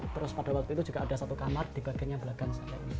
terus pada waktu itu juga ada satu kamar di bagiannya belakang